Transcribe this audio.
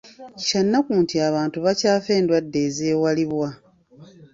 Kya nnaku nti abantu bakyafa endwadde ezeewalibwa.